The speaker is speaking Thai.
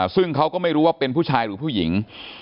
ซึ่งเขาก็ไม่รู้ว่าเป็นผู้ชายหรือผู้หญิง